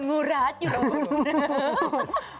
โดนมูรัสอยู่โดนมูรัส